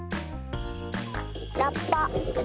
ラッパ。